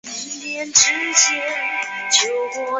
该岛到波利瓦尔半岛也收到了自愿撤离令。